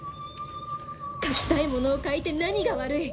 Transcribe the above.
書きたいものを書いて何が悪い！